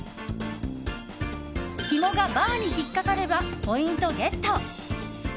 ひもがバーに引っかかればポイントゲット。